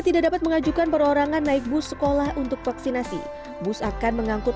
tidak dapat mengajukan perorangan naik bus sekolah untuk vaksinasi bus akan mengangkut